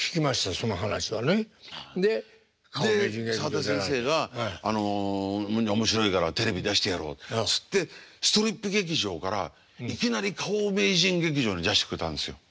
澤田先生が「面白いからテレビ出してやろう」っつってストリップ劇場からいきなり「花王名人劇場」に出してくれたんですよ。